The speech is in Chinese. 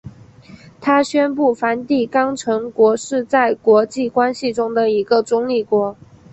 它宣布梵蒂冈城国是在国际关系的一个中立国。